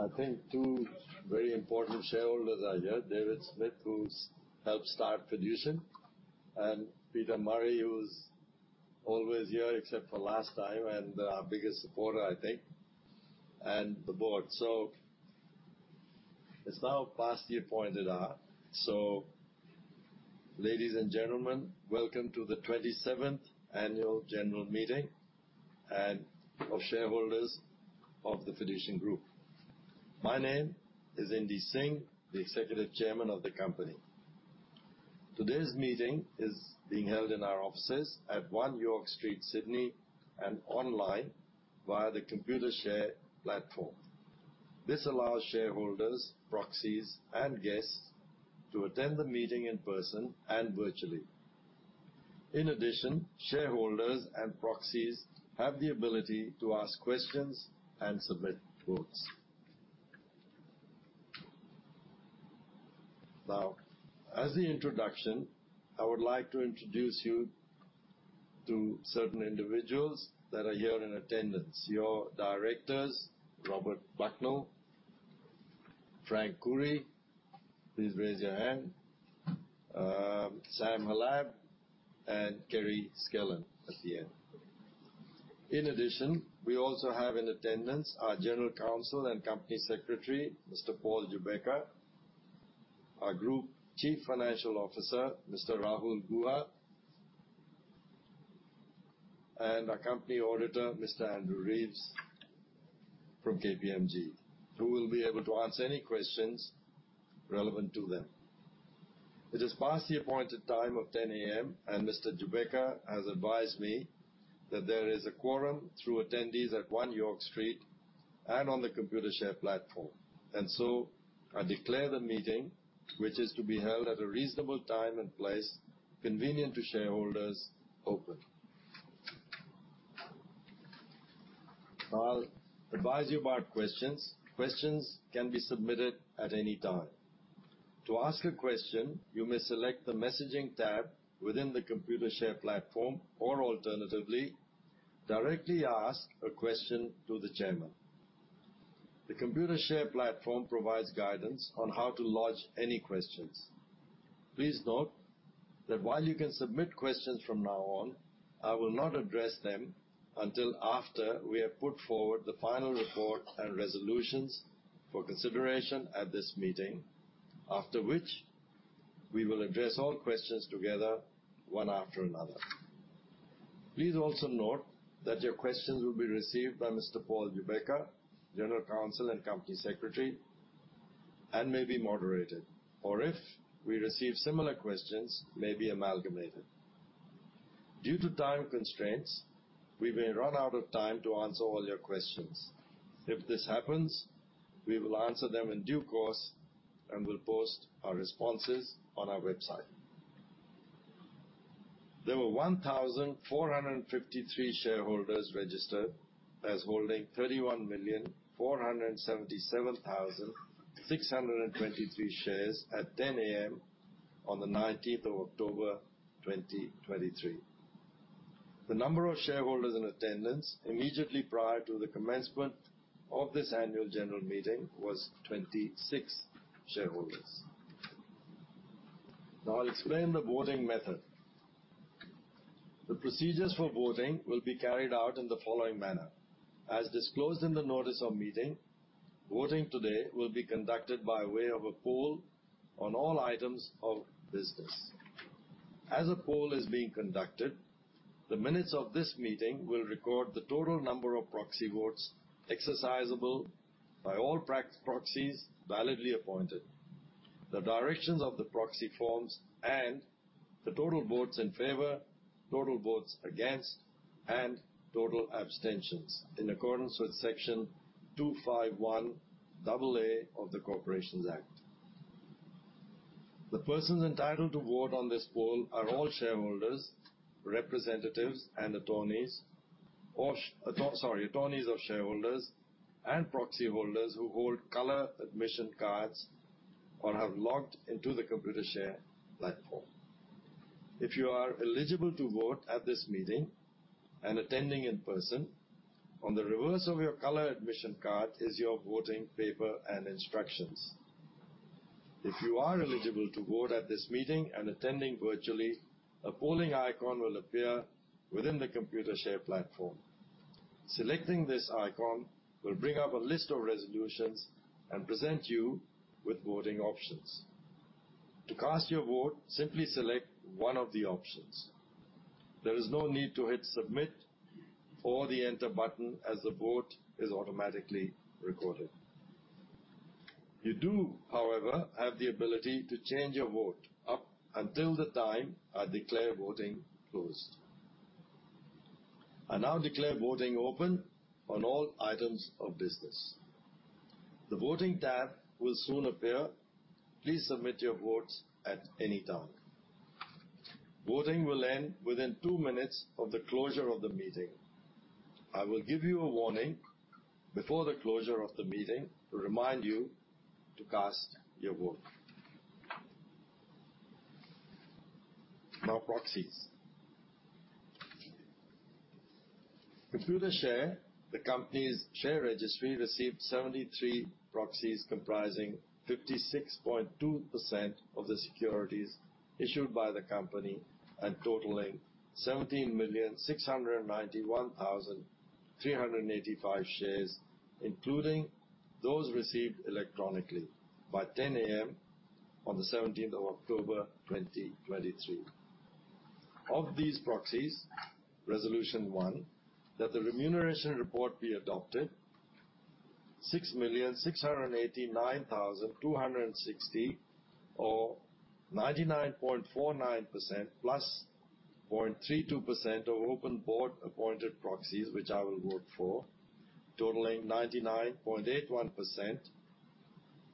I think two very important shareholders are here, David Smith, who's helped start Fiducian, and Peter Murray, who's always here except for last time, and our biggest supporter, I think, and the board. So it's now past the appointed hour. So, ladies and gentlemen, welcome to the 27th Annual General Meeting and of Shareholders of the Fiducian Group. My name is Indy Singh, the Executive Chairman of the company. Today's meeting is being held in our offices at One York Street, Sydney, and online via the Computershare platform. This allows shareholders, proxies, and guests to attend the meeting in person and virtually. In addition, shareholders and proxies have the ability to ask questions and submit votes. Now, as the introduction, I would like to introduce you to certain individuals that are here in attendance. Your directors, Robert Bucknell, Frank Khouri. Please raise your hand. Sam Hallab and Kerry Skellern at the end. In addition, we also have in attendance our General Counsel and Company Secretary, Mr. Paul Gubecka, our Group Chief Financial Officer, Mr. Rahul Guha, and our company auditor, Mr. Andrew Reeves from KPMG, who will be able to answer any questions relevant to them. It is past the appointed time of 10:00 A.M., and Mr. Gubecka has advised me that there is a quorum through attendees at One York Street and on the Computershare platform. So I declare the meeting, which is to be held at a reasonable time and place, convenient to shareholders, open. I'll advise you about questions. Questions can be submitted at any time. To ask a question, you may select the messaging tab within the Computershare platform, or alternatively, directly ask a question to the chairman. The Computershare platform provides guidance on how to lodge any questions. Please note that while you can submit questions from now on, I will not address them until after we have put forward the final report and resolutions for consideration at this meeting, after which we will address all questions together, one after another. Please also note that your questions will be received by Mr. Paul Gubecka, General Counsel and Company Secretary, and may be moderated, or if we receive similar questions, may be amalgamated. Due to time constraints, we may run out of time to answer all your questions. If this happens, we will answer them in due course and will post our responses on our website. There were 1,453 shareholders registered as holding 31,477,623 shares at 10:00 A.M. on the nineteenth of October, 2023. The number of shareholders in attendance immediately prior to the commencement of this annual general meeting was 26 shareholders. Now I'll explain the voting method. The procedures for voting will be carried out in the following manner. As disclosed in the notice of meeting, voting today will be conducted by way of a poll on all items of business. As a poll is being conducted, the minutes of this meeting will record the total number of proxy votes exercisable by all proxies validly appointed, the directions of the proxy forms, and the total votes in favor, total votes against, and total abstentions, in accordance with Section 251AA of the Corporations Act. The persons entitled to vote on this poll are all shareholders, representatives, and attorneys of shareholders and proxy holders who hold color admission cards or have logged into the Computershare platform. If you are eligible to vote at this meeting and attending in person, on the reverse of your color admission card is your voting paper and instructions. If you are eligible to vote at this meeting and attending virtually, a polling icon will appear within the Computershare platform. Selecting this icon will bring up a list of resolutions and present you with voting options. To cast your vote, simply select one of the options. There is no need to hit Submit or the Enter button, as the vote is automatically recorded. You do, however, have the ability to change your vote up until the time I declare voting closed. I now declare voting open on all items of business. The voting tab will soon appear. Please submit your votes at any time. Voting will end within two minutes of the closure of the meeting. I will give you a warning before the closure of the meeting to remind you to cast your vote.... Now proxies. Computershare, the company's share registry, received 73 proxies comprising 56.2% of the securities issued by the company and totaling 17,691,385 shares, including those received electronically by 10 A.M. on the seventeenth of October, 2023. Of these proxies, resolution one, that the remuneration report be adopted, 6,689,260 or 99.49% +0.32% of open board appointed proxies, which I will vote for, totaling 99.81%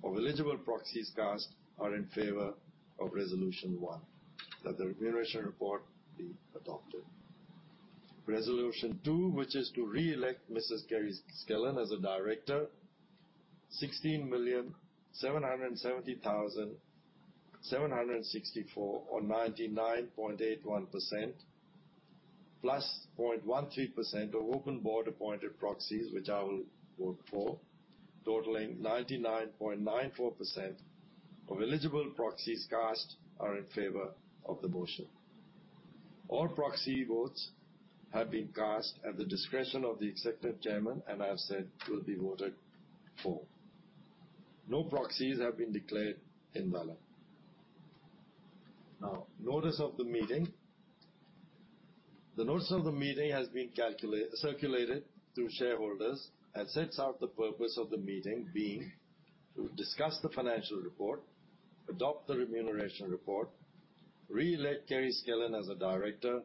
of eligible proxies cast are in favor of resolution one, that the remuneration report be adopted. Resolution two, which is to re-elect Mrs. Kerry Skellern as a director, 16,770,764 or 99.81%, +0.13% of open board appointed proxies, which I will vote for, totaling 99.94% of eligible proxies cast are in favor of the motion. All proxy votes have been cast at the discretion of the executive chairman, and I have said will be voted for. No proxies have been declared invalid. Now, notice of the meeting. The notice of the meeting has been circulated through shareholders and sets out the purpose of the meeting, being to discuss the financial report, adopt the remuneration report, re-elect Kerry Skellern as a director,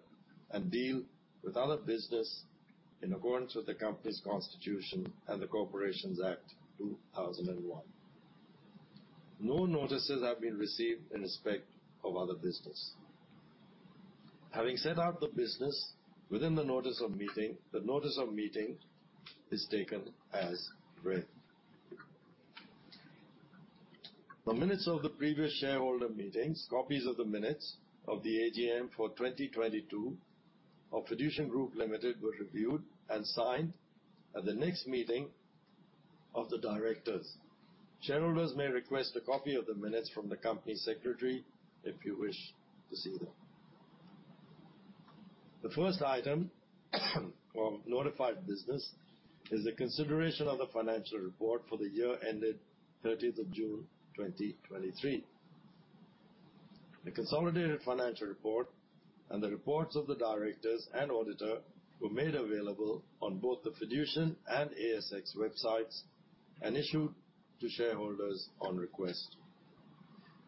and deal with other business in accordance with the company's constitution and the Corporations Act 2001. No notices have been received in respect of other business. Having set out the business within the notice of meeting, the notice of meeting is taken as read. The minutes of the previous shareholder meetings, copies of the minutes of the AGM for 2022 of Fiducian Group Limited, were reviewed and signed at the next meeting of the directors. Shareholders may request a copy of the minutes from the company secretary, if you wish to see them. The first item of notified business is a consideration of the financial report for the year ended 30th of June, 2023. The consolidated financial report and the reports of the directors and auditor were made available on both the Fiducian and ASX websites and issued to shareholders on request.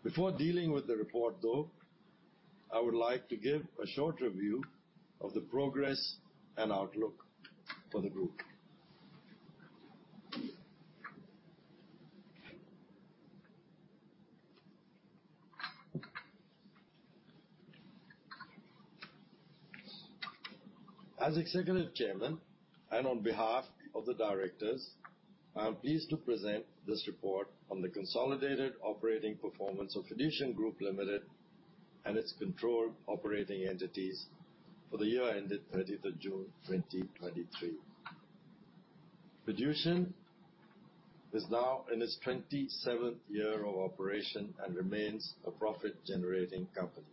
Before dealing with the report, though, I would like to give a short review of the progress and outlook for the group. As Executive Chairman and on behalf of the directors, I am pleased to present this report on the consolidated operating performance of Fiducian Group Limited, and its controlled operating entities for the year ended 30th of June, 2023. Fiducian is now in its 27th year of operation and remains a profit-generating company.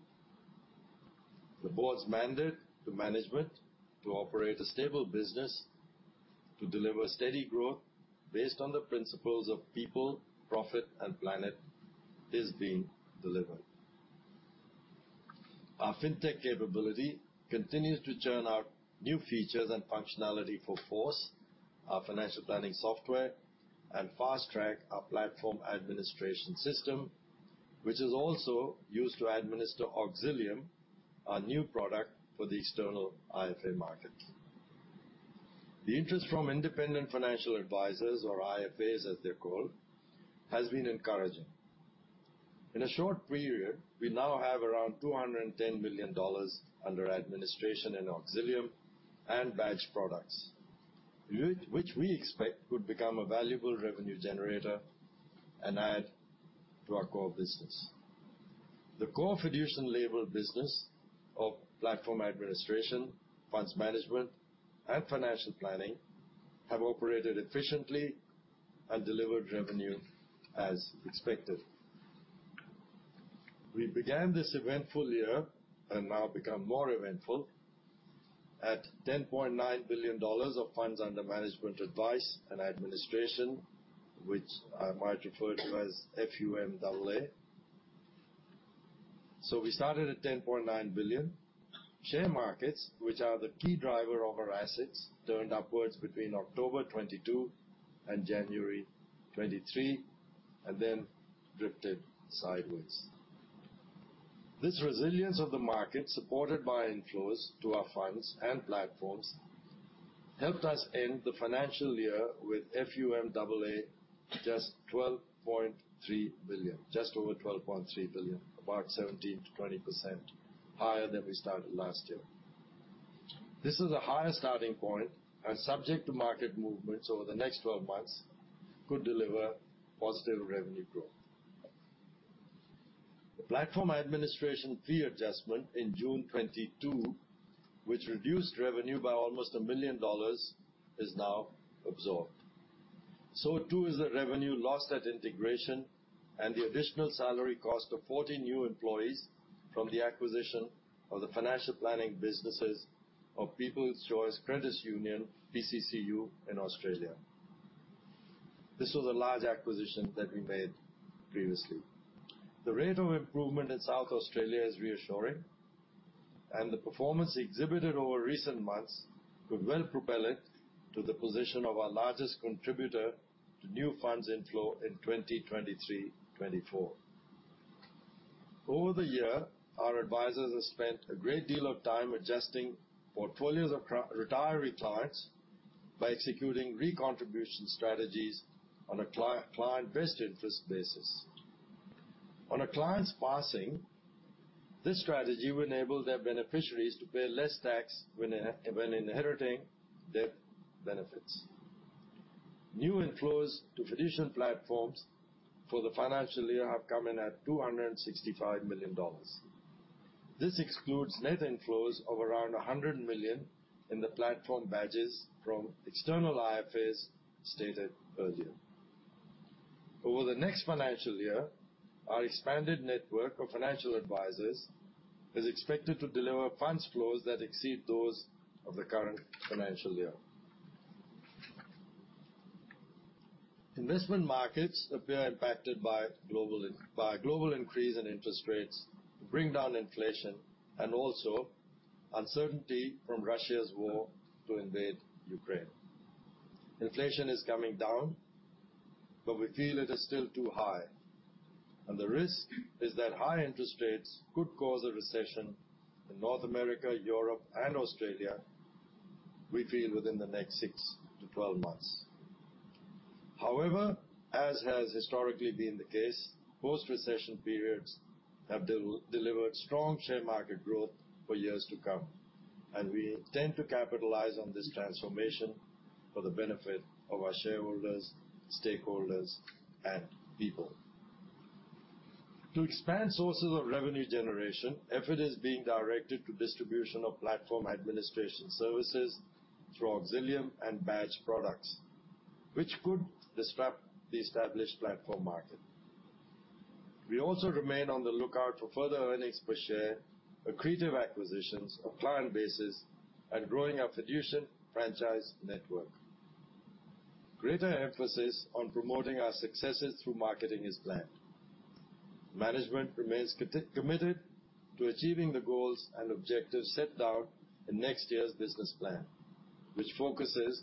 The board's mandate to management to operate a stable business, to deliver steady growth based on the principles of people, profit, and planet, is being delivered. Our fintech capability continues to churn out new features and functionality for FORCe, our financial planning software, and FasTrack, our platform administration system, which is also used to administer Auxilium, our new product for the external IFA market. The interest from independent financial advisors, or IFAs, as they're called, has been encouraging. In a short period, we now have around 210 million dollars under administration in Auxilium and Badged products, which we expect would become a valuable revenue generator and add to our core business. The core Fiducian Label business of platform administration, funds management, and financial planning, have operated efficiently and delivered revenue as expected. We began this eventful year, and now become more eventful, at 10.9 billion dollars of funds under management advice and administration, which I might refer to as FUMAA. So we started at 10.9 billion. Share markets, which are the key driver of our assets, turned upwards between October 2022 and January 2023, and then drifted sideways. This resilience of the market, supported by inflows to our funds and platforms, helped us end the financial year with FUMAA, just 12.3 billion, just over 12.3 billion, about 17%-20% higher than we started last year. This is a higher starting point, and subject to market movements over the next 12 months, could deliver positive revenue growth. The platform administration fee adjustment in June 2022, which reduced revenue by almost 1 million dollars, is now absorbed. So too is the revenue lost at integration and the additional salary cost of 40 new employees from the acquisition of the financial planning businesses of People's Choice Credit Union, PCCU, in Australia. This was a large acquisition that we made previously. The rate of improvement in South Australia is reassuring, and the performance exhibited over recent months could well propel it to the position of our largest contributor to new funds inflow in 2023-24. Over the year, our advisors have spent a great deal of time adjusting portfolios of pre-retiree clients by executing recontribution strategies on a client best interest basis. On a client's passing, this strategy will enable their beneficiaries to pay less tax when inheriting their benefits. New inflows to Fiducian platforms for the financial year have come in at 265 million dollars. This excludes net inflows of around 100 million in the Badged platform from external IFAs stated earlier. Over the next financial year, our expanded network of financial advisors is expected to deliver funds flows that exceed those of the current financial year. Investment markets appear impacted by global increase in interest rates to bring down inflation, and also uncertainty from Russia's war to invade Ukraine. Inflation is coming down, but we feel it is still too high, and the risk is that high interest rates could cause a recession in North America, Europe and Australia, we feel within the next 6-12 months. However, as has historically been the case, post-recession periods have delivered strong share market growth for years to come, and we intend to capitalize on this transformation for the benefit of our shareholders, stakeholders and people. To expand sources of revenue generation, effort is being directed to distribution of platform administration services through Auxilium and Badged products, which could disrupt the established platform market. We also remain on the lookout for further earnings per share, accretive acquisitions of client bases, and growing our Fiducian franchise network. Greater emphasis on promoting our successes through marketing is planned. Management remains committed to achieving the goals and objectives set out in next year's business plan, which focuses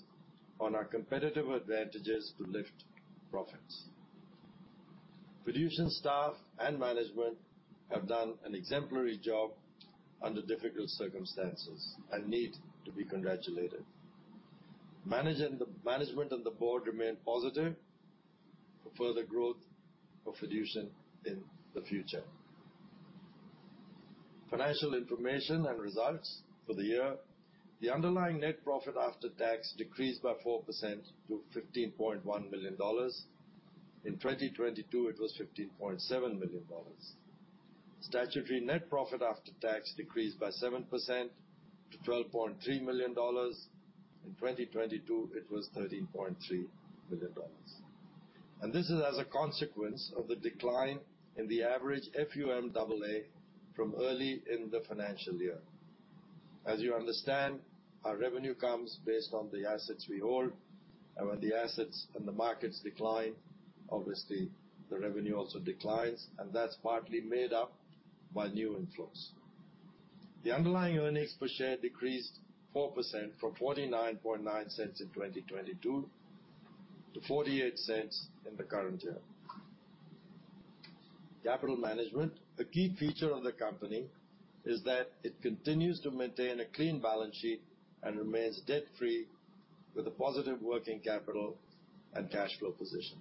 on our competitive advantages to lift profits. Fiducian staff and management have done an exemplary job under difficult circumstances and need to be congratulated. Management and the board remain positive for further growth of Fiducian in the future. Financial information and results for the year. The underlying net profit after tax decreased by 4% to 15.1 million dollars. In 2022, it was 15.7 million dollars. Statutory net profit after tax decreased by 7% to 12.3 million dollars. In 2022, it was 13.3 million dollars, and this is as a consequence of the decline in the average FUMAA from early in the financial year. As you understand, our revenue comes based on the assets we hold, and when the assets and the markets decline, obviously the revenue also declines, and that's partly made up by new inflows. The underlying earnings per share decreased 4% from 0.499 in 2022 to 0.48 in the current year. Capital management. A key feature of the company is that it continues to maintain a clean balance sheet and remains debt free with a positive working capital and cash flow position.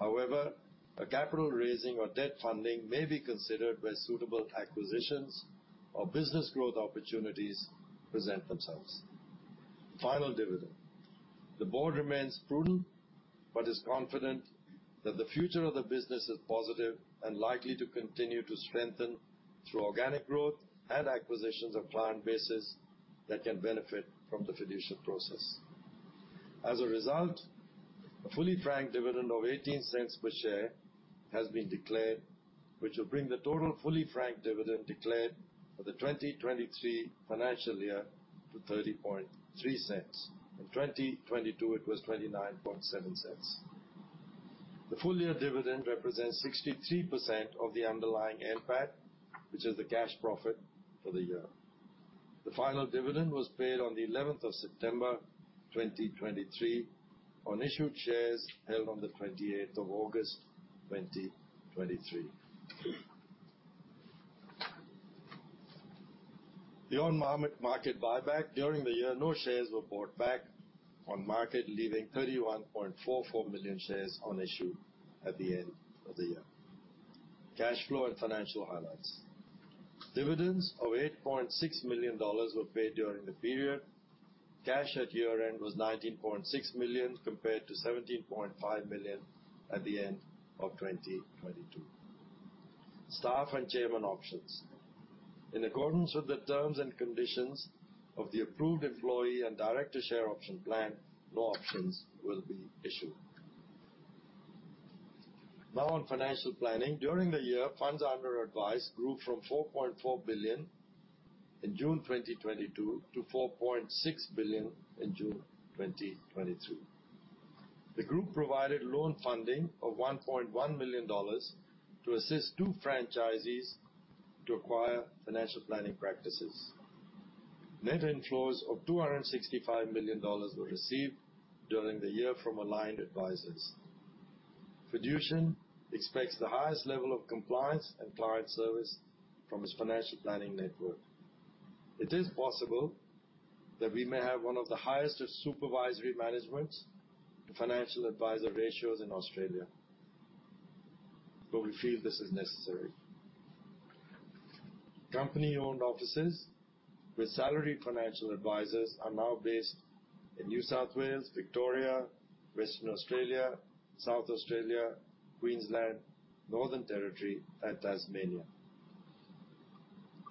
However, a capital raising or debt funding may be considered where suitable acquisitions or business growth opportunities present themselves. Final dividend. The board remains prudent, but is confident that the future of the business is positive and likely to continue to strengthen through organic growth and acquisitions of client bases that can benefit from the Fiducian process. As a result, a fully franked dividend of 0.18 per share has been declared, which will bring the total fully franked dividend declared for the 2023 financial year to 0.303. In 2022, it was 0.297. The full year dividend represents 63% of the underlying NPAT, which is the cash profit for the year. The final dividend was paid on the eleventh of September, 2023, on issued shares held on the 28th of August, 2023. On-market buyback. During the year, no shares were bought back on market, leaving 31.44 million shares on issue at the end of the year. Cash flow and financial highlights. Dividends of 8.6 million dollars were paid during the period. Cash at year-end was 19.6 million, compared to 17.5 million at the end of 2022. Staff and chairman options. In accordance with the terms and conditions of the approved employee and director share option plan, no options will be issued. Now, on financial planning. During the year, funds under advice grew from 4.4 billion in June 2022 to 4.6 billion in June 2023. The group provided loan funding of 1.1 million dollars to assist two franchisees to acquire financial planning practices. Net inflows of 265 million dollars were received during the year from aligned advisors. Fiducian expects the highest level of compliance and client service from its financial planning network. It is possible that we may have one of the highest supervisory management to financial advisor ratios in Australia, but we feel this is necessary. Company-owned offices with salaried financial advisors are now based in New South Wales, Victoria, Western Australia, South Australia, Queensland, Northern Territory, and Tasmania,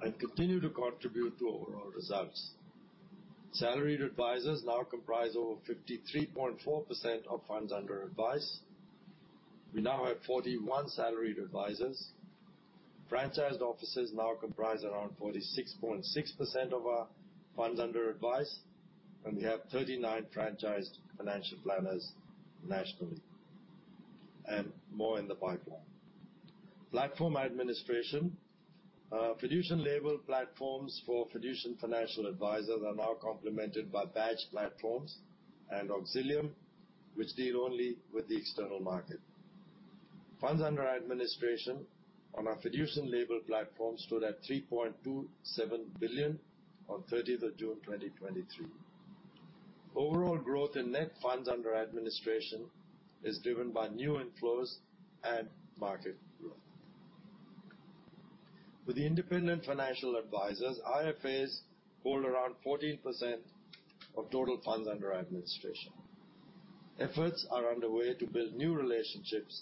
and continue to contribute to overall results. Salaried advisors now comprise over 53.4% of funds under advice. We now have 41 salaried advisors. Franchised offices now comprise around 46.6% of our funds under advice, and we have 39 franchised financial planners nationally, and more in the pipeline. Platform administration. Fiducian Label platforms for Fiducian financial advisors are now complemented by Badged platforms and Auxilium, which deal only with the external market. Funds under administration on our Fiducian Label platform stood at 3.27 billion on 30th of June, 2023. Overall growth in net funds under administration is driven by new inflows and market growth. With the independent financial advisors, IFAs hold around 14% of total funds under administration. Efforts are underway to build new relationships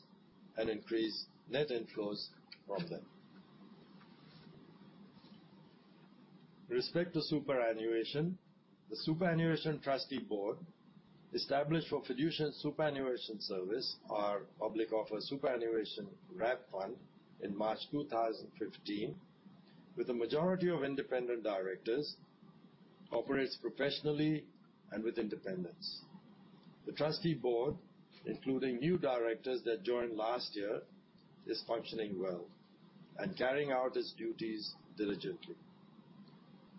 and increase net inflows from them. With respect to superannuation, the Superannuation Trustee Board, established for Fiducian Superannuation Service, our public offer superannuation wrap fund in March 2015, with the majority of independent directors, operates professionally and with independence. The trustee board, including new directors that joined last year, is functioning well and carrying out its duties diligently.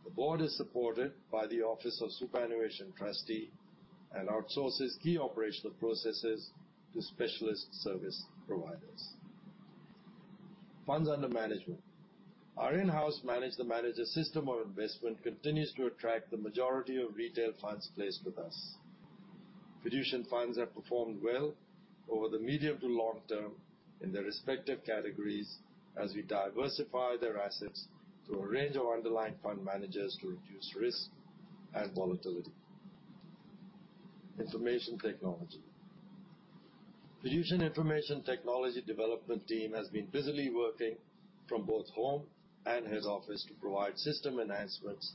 The board is supported by the Office of Superannuation Trustee and outsources key operational processes to specialist service providers. Funds under management. Our in-house Manage the Manager system of investment continues to attract the majority of retail funds placed with us. Fiducian funds have performed well over the medium to long term in their respective categories, as we diversify their assets through a range of underlying fund managers to reduce risk and volatility. Information technology. Fiducian Information Technology development team has been busily working from both home and his office to provide system enhancements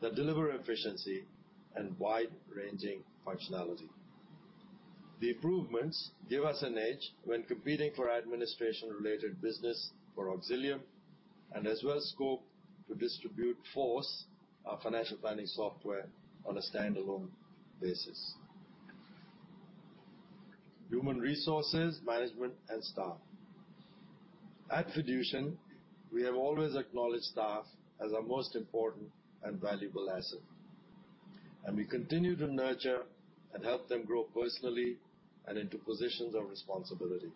that deliver efficiency and wide-ranging functionality. The improvements give us an edge when competing for administration-related business for Auxilium, as well as scope to distribute FORCe, our financial planning software, on a standalone basis. Human resources, management, and staff. At Fiducian, we have always acknowledged staff as our most important and valuable asset, and we continue to nurture and help them grow personally and into positions of responsibility.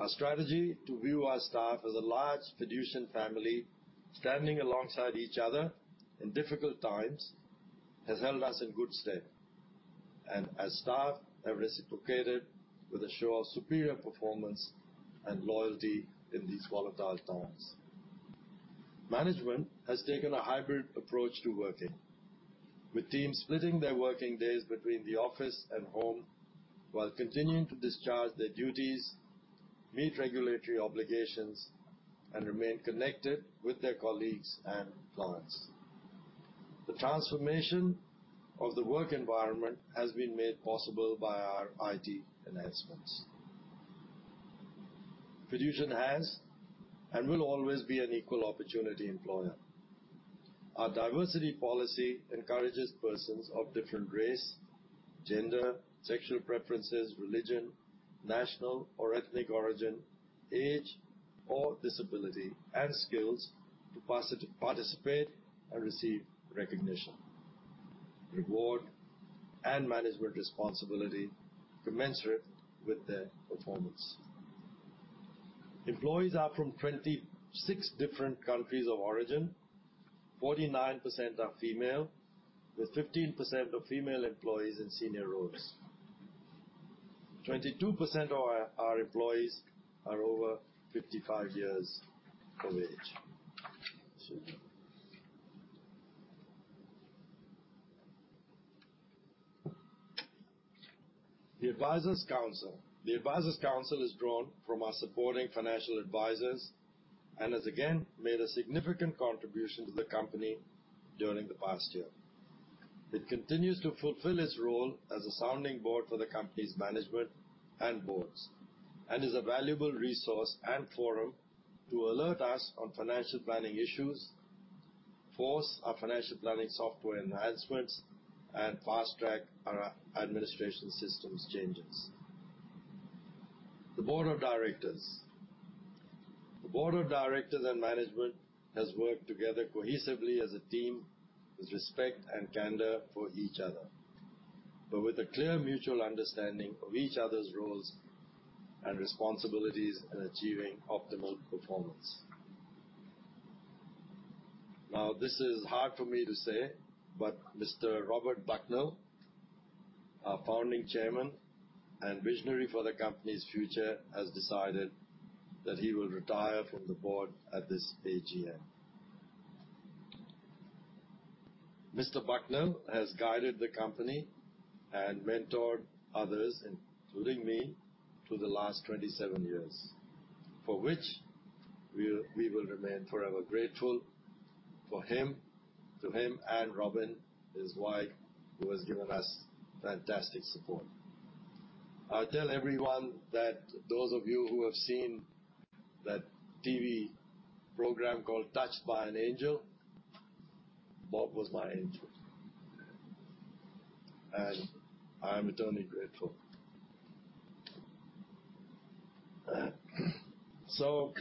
Our strategy to view our staff as a large Fiducian family, standing alongside each other in difficult times, has held us in good stead, and as staff have reciprocated with a show of superior performance and loyalty in these volatile times. Management has taken a hybrid approach to working, with teams splitting their working days between the office and home, while continuing to discharge their duties, meet regulatory obligations, and remain connected with their colleagues and clients. The transformation of the work environment has been made possible by our IT enhancements. Fiducian has and will always be an equal opportunity employer. Our diversity policy encourages persons of different race, gender, sexual preferences, religion, national or ethnic origin, age, or disability and skills to participate and receive recognition, reward, and management responsibility commensurate with their performance. Employees are from 26 different countries of origin. 49% are female, with 15% of female employees in senior roles. 22% of our employees are over 55 years of age. The Advisory Council. The Advisory Council is drawn from our supporting financial advisors and has again made a significant contribution to the company during the past year. It continues to fulfill its role as a sounding board for the company's management and boards, and is a valuable resource and forum to alert us on financial planning issues, FORCe our financial planning software enhancements, and FasTrack our administration systems changes. The Board of Directors. The board of directors and management has worked together cohesively as a team, with respect and candor for each other, but with a clear mutual understanding of each other's roles and responsibilities in achieving optimal performance. Now, this is hard for me to say, but Mr. Robert Bucknell, our Founding Chairman and visionary for the company's future, has decided that he will retire from the board at this AGM. Mr. Bucknell has guided the company and mentored others, including me, through the last 27 years, for which we, we will remain forever grateful for him- to him and Robin, his wife, who has given us fantastic support. I tell everyone that those of you who have seen that TV program called Touched by an Angel, Bob was my angel. And I am eternally grateful. So,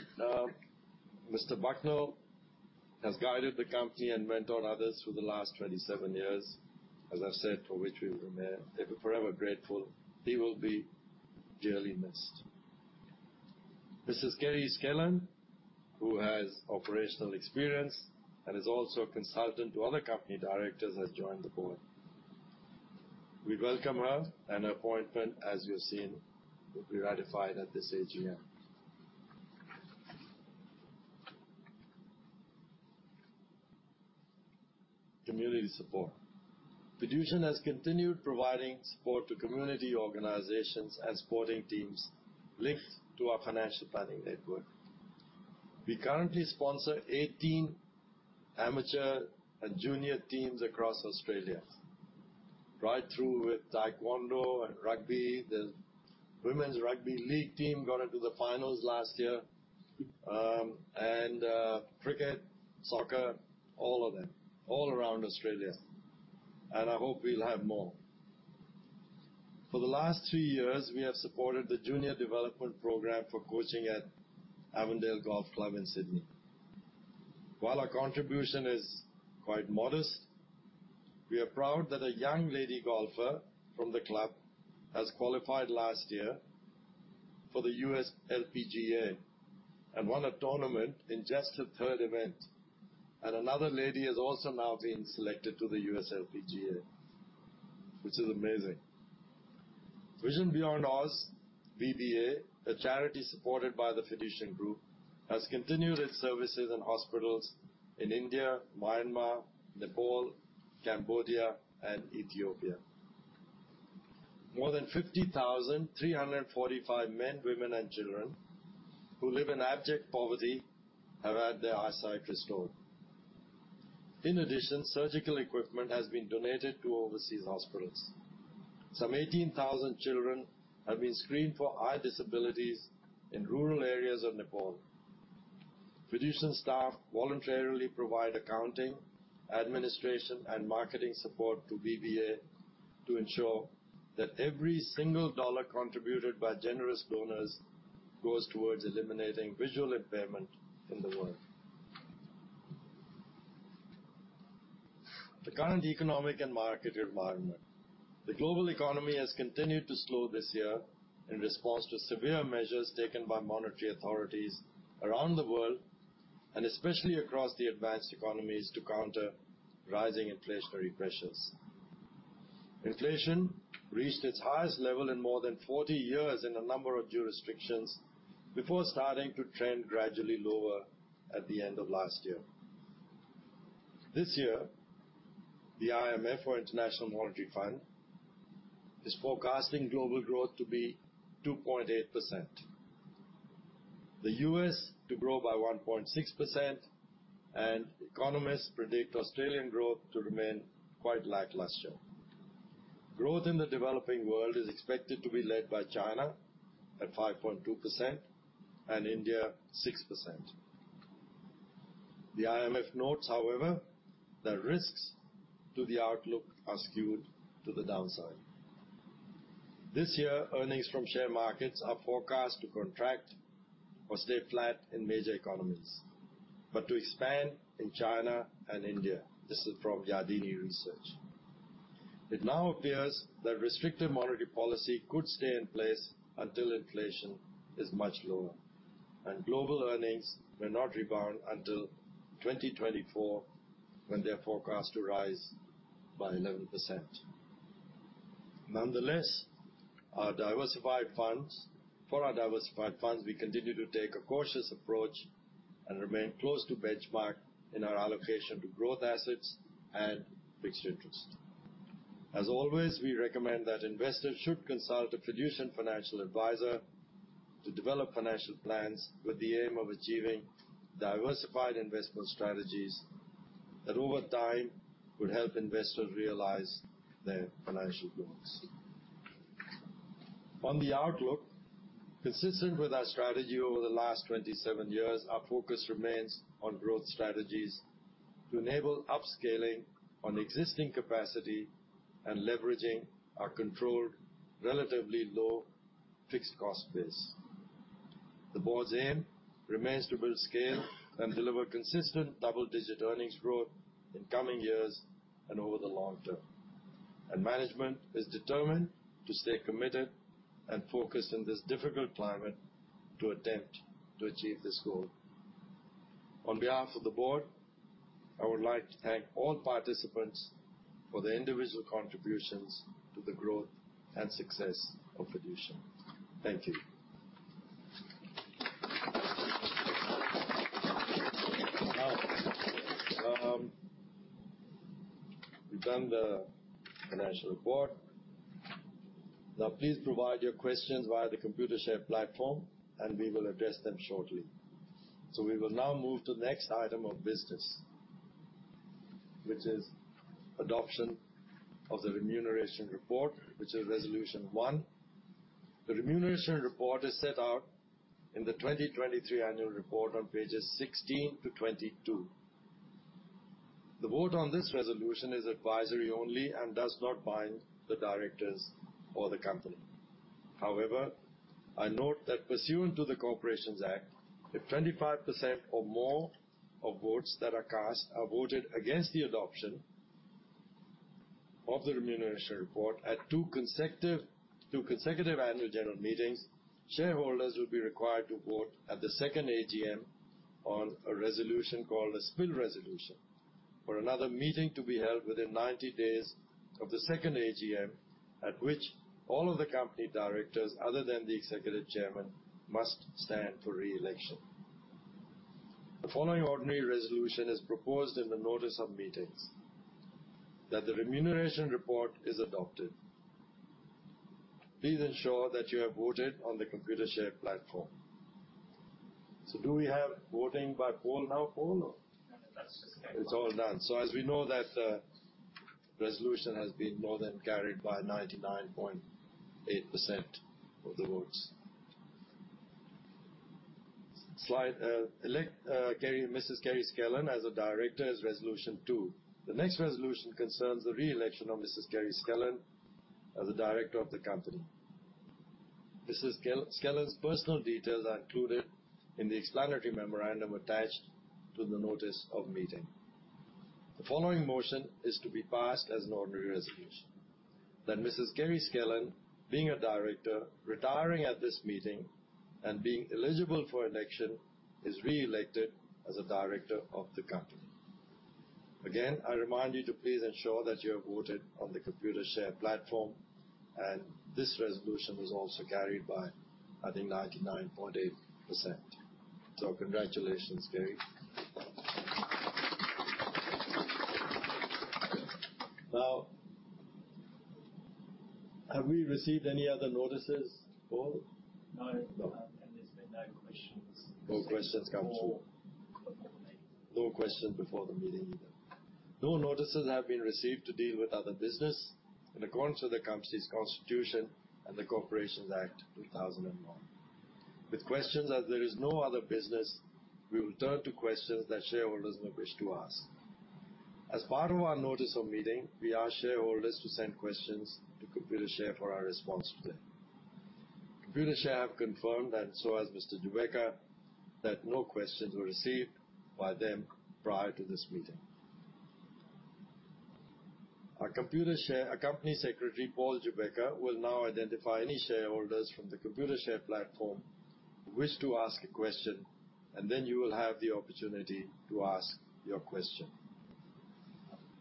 Mr. Bucknell has guided the company and mentored others through the last 27 years, as I've said, for which we remain forever grateful. He will be dearly missed. Mrs. Kerry Skellern, who has operational experience and is also a consultant to other company directors, has joined the board. We welcome her and her appointment, as you've seen, will be ratified at this AGM. Community support. Fiducian has continued providing support to community organizations and sporting teams linked to our financial planning network. We currently sponsor 18 amateur and junior teams across Australia, right through with taekwondo and rugby. The women's rugby league team got into the finals last year. And, cricket, soccer, all of them, all around Australia, and I hope we'll have more. For the last 3 years, we have supported the junior development program for coaching at Avondale Golf Club in Sydney. While our contribution is quite modest, we are proud that a young lady golfer from the club has qualified last year for the US LPGA and won a tournament in just her third event. Another lady has also now been selected to the US LPGA, which is amazing. Vision Beyond AUS, VBA, a charity supported by the Fiducian Group, has continued its services in hospitals in India, Myanmar, Nepal, Cambodia, and Ethiopia. More than 50,345 men, women, and children who live in abject poverty have had their eyesight restored. In addition, surgical equipment has been donated to overseas hospitals. Some 18,000 children have been screened for eye disabilities in rural areas of Nepal. Fiducian staff voluntarily provide accounting, administration, and marketing support to VBA to ensure that every single dollar contributed by generous donors goes towards eliminating visual impairment in the world. The current economic and market environment. The global economy has continued to slow this year in response to severe measures taken by monetary authorities around the world, and especially across the advanced economies, to counter rising inflationary pressures. Inflation reached its highest level in more than 40 years in a number of jurisdictions before starting to trend gradually lower at the end of last year. This year, the IMF, or International Monetary Fund, is forecasting global growth to be 2.8%, the US to grow by 1.6%, and economists predict Australian growth to remain quite lackluster. Growth in the developing world is expected to be led by China at 5.2% and India, 6%. The IMF notes, however, that risks to the outlook are skewed to the downside. This year, earnings from share markets are forecast to contract or stay flat in major economies, but to expand in China and India. This is from Yardeni Research. It now appears that restrictive monetary policy could stay in place until inflation is much lower, and global earnings may not rebound until 2024, when they are forecast to rise by 11%. Nonetheless, our diversified funds, for our diversified funds, we continue to take a cautious approach and remain close to benchmark in our allocation to growth assets and fixed interest. As always, we recommend that investors should consult a professional financial advisor to develop financial plans with the aim of achieving diversified investment strategies that, over time, would help investors realize their financial goals. On the outlook, consistent with our strategy over the last 27 years, our focus remains on growth strategies to enable upscaling on existing capacity and leveraging our controlled, relatively low fixed cost base. The board's aim remains to build scale and deliver consistent double-digit earnings growth in coming years and over the long term, and management is determined to stay committed and focused in this difficult climate to attempt to achieve this goal. On behalf of the board, I would like to thank all participants for their individual contributions to the growth and success of Fiducian. Thank you. Now, we've done the financial report. Now, please provide your questions via the Computershare platform, and we will address them shortly. So we will now move to the next item of business, which is adoption of the remuneration report, which is resolution 1. The remuneration report is set out in the 2023 annual report on pages 16 to 22. The vote on this resolution is advisory only and does not bind the directors or the company. However, I note that pursuant to the Corporations Act, if 25% or more of votes that are cast are voted against the adoption of the remuneration report at two consecutive annual general meetings, shareholders will be required to vote at the second AGM on a resolution called a spill resolution, for another meeting to be held within 90 days of the second AGM, at which all of the company directors, other than the Executive Chairman, must stand for re-election. The following ordinary resolution is proposed in the notice of meetings, that the remuneration report is adopted. Please ensure that you have voted on the Computershare platform. Do we have voting by poll now, Paul, or? No, that's just- It's all done. So as we know, that resolution has been more than carried by 99.8% of the votes. Slide, elect, Kerry, Mrs. Kerry Skellern, as a director is resolution two. The next resolution concerns the re-election of Mrs. Kerry Skellern as a director of the company. Mrs. Skellern's personal details are included in the explanatory memorandum attached to the notice of meeting. The following motion is to be passed as an ordinary resolution: That Mrs. Kerry Skellern, being a director, retiring at this meeting and being eligible for election, is re-elected as a director of the company. Again, I remind you to please ensure that you have voted on the Computershare platform, and this resolution was also carried by, I think, 99.8%. So congratulations, Kerry. Now, have we received any other notices, Paul? No. No. There's been no questions. No questions come through. Before the meeting. No question before the meeting either. No notices have been received to deal with other business in accordance with the Company's Constitution and the Corporations Act 2001. With questions, as there is no other business, we will turn to questions that shareholders may wish to ask. As part of our notice of meeting, we ask shareholders to send questions to Computershare for our response today. Computershare have confirmed, and so has Mr. Gubecka, that no questions were received by them prior to this meeting. Our Company Secretary, Paul Gubecka, will now identify any shareholders from the Computershare platform who wish to ask a question, and then you will have the opportunity to ask your question.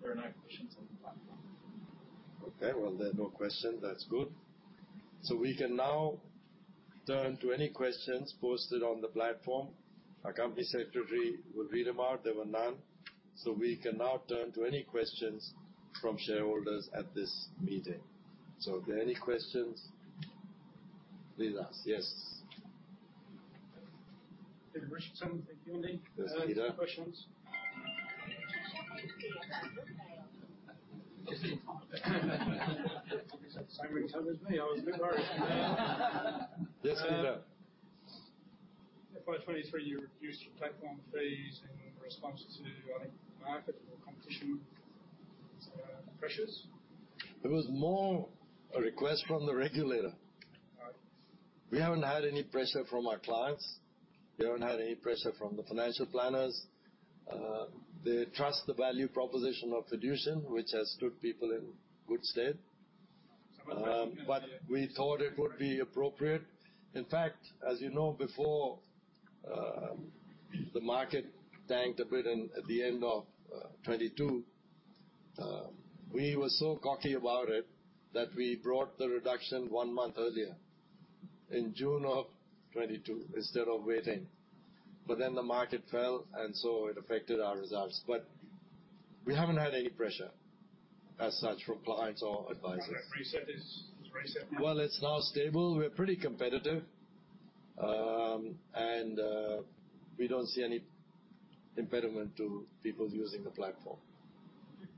There are no questions on the platform. Okay, well, there are no questions. That's good. So we can now turn to any questions posted on the platform. Our Company Secretary will read them out. There were none, so we can now turn to any questions from shareholders at this meeting. So are there any questions, please ask? Yes. David Richardson. Thank you, Nick. Yes, Peter. Questions. Is that the same retirement as me? I was a bit worried. Yes, Peter. By 2023, you reduced your platform fees in response to, I think, market or competition pressures. It was more a request from the regulator. We haven't had any pressure from our clients. We haven't had any pressure from the financial planners. They trust the value proposition of Fiducian, which has stood people in good stead. But we thought it would be appropriate. In fact, as you know, before the market tanked a bit in at the end of 2022, we were so cocky about it that we brought the reduction one month earlier, in June of 2022, instead of waiting. But then the market fell, and so it affected our results. But we haven't had any pressure as such from clients or advisors. How that reset is? It's reset now? Well, it's now stable. We're pretty competitive. We don't see any impediment to people using the platform.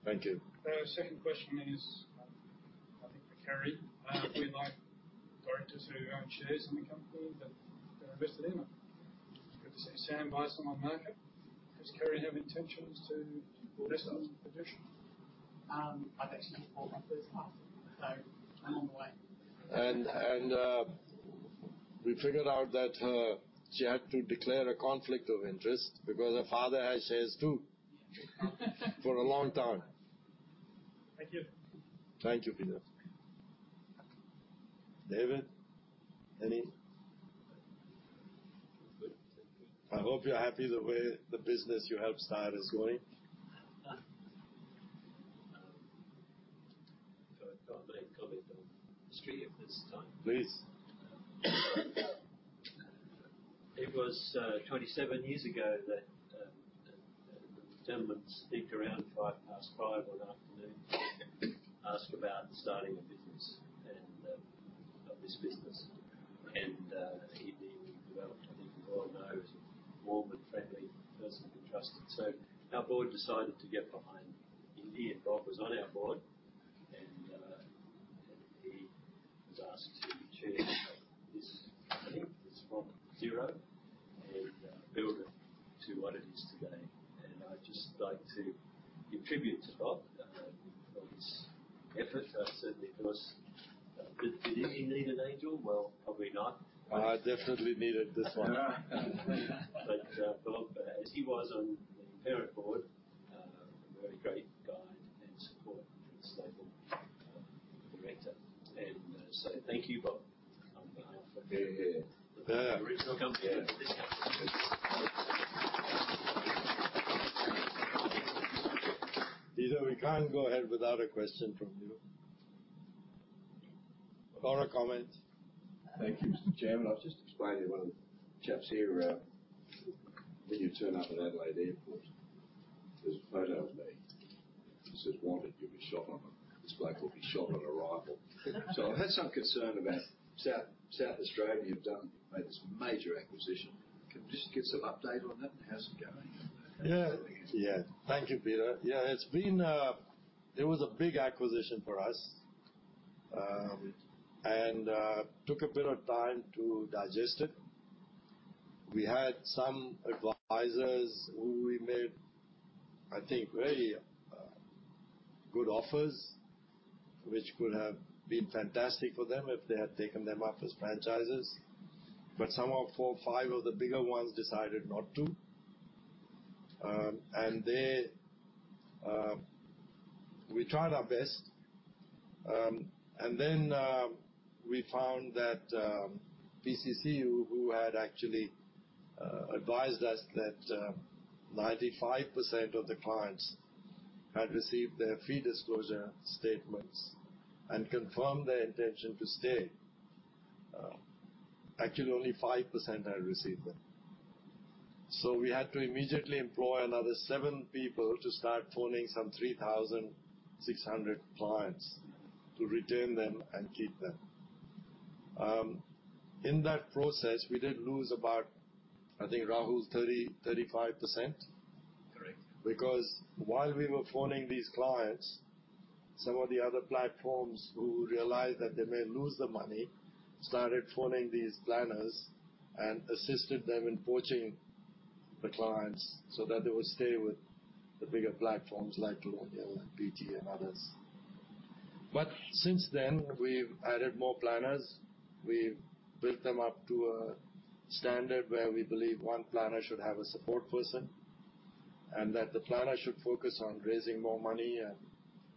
Thank you. The second question is, I think for Kerry. We like directors who own shares in the company, that they're invested in them. Good to see Sam buy some on the market. Does Kerry have intentions to invest in Fiducian? I've actually bought my first half, so I'm on the way. And we figured out that she had to declare a conflict of interest because her father has shares, too. For a long time. Thank you. Thank you, Peter. David, any? I'm good. I hope you're happy the way the business you helped start is going. I make comment on the history of this time. Please. It was 27 years ago that that the gentleman snuck around 5:05 P.M. one afternoon, asked about starting a business, and got this business. He developed, I think you all know, as a warm and friendly person to be trusted. So our board decided to get behind Indy, and Bob was on our board, and he was asked to chair this from zero and build it to what it is today. And I'd just like to give tribute to Bob for his effort. I said because, did he need an angel? Well, probably not. I definitely needed this one. But, Bob, as he was on the parent board, a very great guide and support stable, director. And, so thank you, Bob, on behalf of- Hear, hear. The original company. Peter, we can't go ahead without a question from you. Or a comment. Thank you, Mr. Chairman. I was just explaining to one of the chaps here when you turn up at Adelaide Airport, there's a photo of me. It says, "Wanted. You'll be shot on... This bloke will be shot on arrival." So I've had some concern about South Australia. You've made this major acquisition. Can you just give some update on that and how's it going? Yeah. Yeah. Thank you, Peter. Yeah, it's been. It was a big acquisition for us, and took a bit of time to digest it. We had some advisors who we made, I think, very good offers, which could have been fantastic for them if they had taken them up as franchises. But some of 4, 5 of the bigger ones decided not to. We tried our best, and then we found that PCCU, who had actually advised us that 95% of the clients had received their fee disclosure statements and confirmed their intention to stay. Actually, only 5% had received them. So we had to immediately employ another 7 people to start phoning some 3,600 clients to retain them and keep them. In that process, we did lose about, I think, Rahul, 30%-35%? Correct. Because while we were phoning these clients, some of the other platforms, who realized that they may lose the money, started phoning these planners and assisted them in poaching the clients so that they would stay with the bigger platforms like Colonial and BT, and others. But since then, we've added more planners. We've built them up to a standard where we believe one planner should have a support person, and that the planner should focus on raising more money and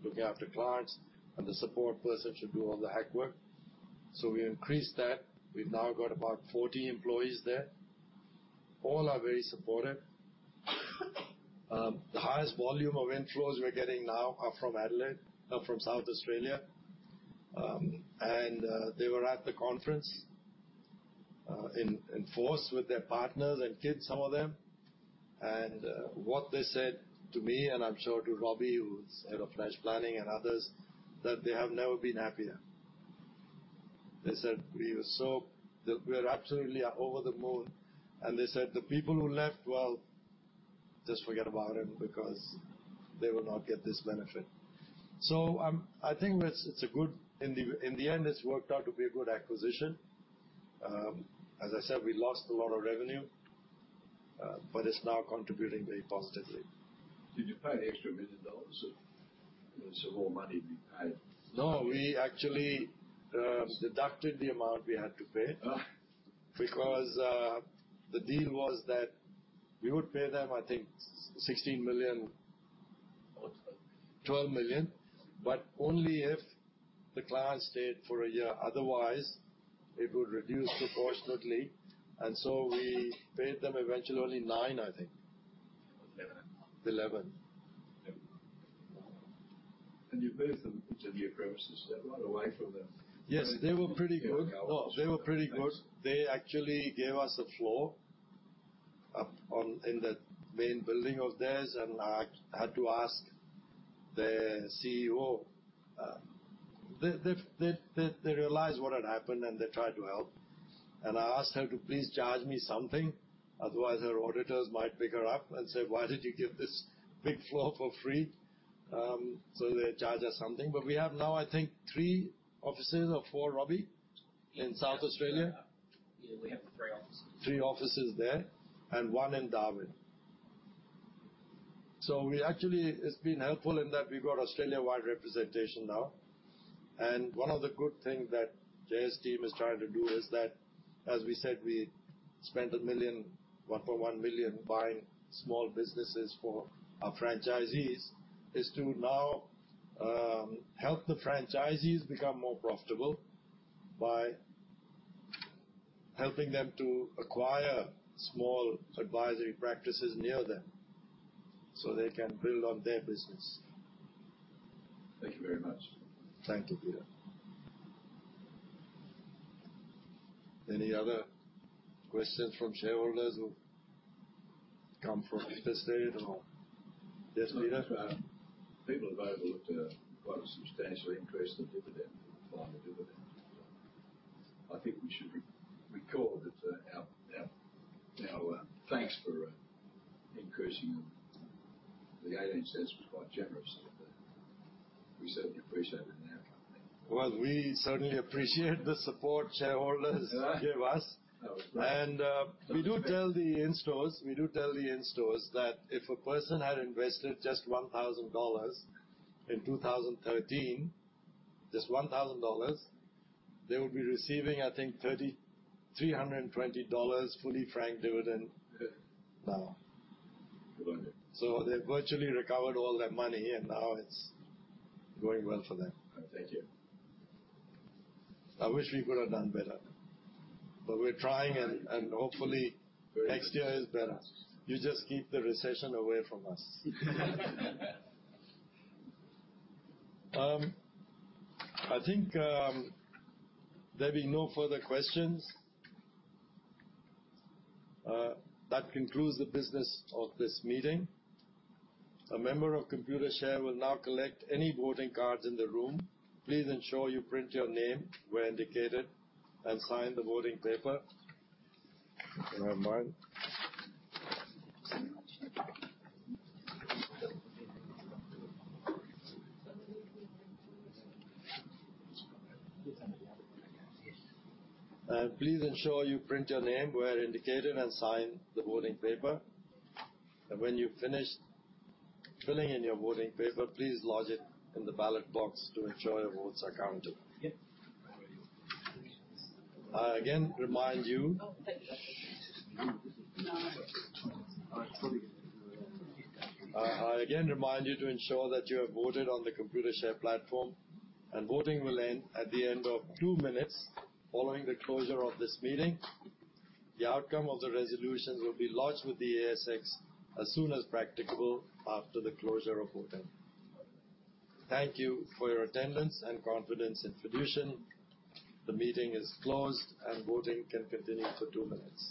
looking after clients, and the support person should do all the hack work. So we increased that. We've now got about 40 employees there. All are very supportive. The highest volume of inflows we're getting now are from Adelaide, from South Australia. And they were at the conference, in force with their partners and kids, some of them. What they said to me, and I'm sure to Robby, who's head of financial planning and others, that they have never been happier. They said, "We were so that we are absolutely over the moon." And they said, "The people who left, well, just forget about them because they will not get this benefit." So, I think that's, it's a good... In the end, it's worked out to be a good acquisition. As I said, we lost a lot of revenue, but it's now contributing very positively. Did you pay 1 million dollars? It's more money being paid. No, we actually deducted the amount we had to pay. Ah. Because, the deal was that we would pay them, I think 16 million. 12 million, but only if the client stayed for a year. Otherwise, it would reduce proportionately. And so we paid them eventually only 9 million, I think. Eleven. Eleven. Wow! You moved them into your premises. They're not away from them. Yes, they were pretty good. Oh, they were pretty good. They actually gave us a floor up on, in the main building of theirs, and I had to ask their CEO. They realized what had happened, and they tried to help. And I asked her to please charge me something, otherwise her auditors might pick her up and say, "Why did you give this big floor for free?" So they charged us something. But we have now, I think, three offices or four, Robby, in South Australia? Yeah, we have three offices. Three offices there, and one in Darwin. So we actually—it's been helpful in that we've got Australia-wide representation now. And one of the good things that Jai's team is trying to do is that, as we said, we spent 1 million, 1.1 million, buying small businesses for our franchisees, is to now help the franchisees become more profitable by helping them to acquire small advisory practices near them, so they can build on their business. Thank you very much. Thank you, Peter. Any other questions from shareholders or come from interested or... Yes, Peter? People have overlooked a quite substantial increase in the dividend, final dividend. I think we should recall that our thanks for increasing them. The 18 cents was quite generous, but we certainly appreciate it now. Well, we certainly appreciate the support shareholders give us. That was great. We do tell the in-stores, we do tell the in-stores that if a person had invested just 1,000 dollars in 2013, just 1,000 dollars, they would be receiving, I think, 3,320 dollars, fully franked dividend now. Good. They've virtually recovered all their money, and now it's going well for them. Thank you. I wish we could have done better, but we're trying and hopefully next year is better. You just keep the recession away from us. I think, there'll be no further questions. That concludes the business of this meeting. A member of Computershare will now collect any voting cards in the room. Please ensure you print your name where indicated, and sign the voting paper. Can I have mine? Thank you so much. Please ensure you print your name where indicated, and sign the voting paper. When you've finished filling in your voting paper, please lodge it in the ballot box to ensure your votes are counted. Yeah. I again remind you- Oh, thank you. I again remind you to ensure that you have voted on the Computershare platform, and voting will end at the end of two minutes following the closure of this meeting. The outcome of the resolutions will be lodged with the ASX as soon as practicable after the closure of voting. Thank you for your attendance and confidence in Fiducian. The meeting is closed, and voting can continue for two minutes.